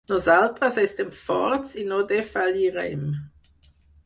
Nosaltres estem forts i no defallirem!